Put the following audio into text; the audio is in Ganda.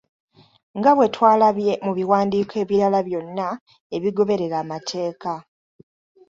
Nga bwe twalabye mu biwandiiko ebirala byonna ebigoberera amateeka.